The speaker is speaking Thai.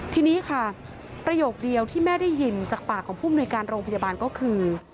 ทีนี้ค่ะประโยคเดียวที่แม่ได้ยินจากปากของผู้มนุยการโรงพยาบาลก็คือ